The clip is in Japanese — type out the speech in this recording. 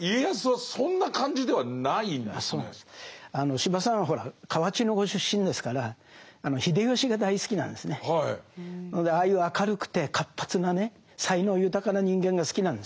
司馬さんはほら河内のご出身ですからああいう明るくて活発なね才能豊かな人間が好きなんです。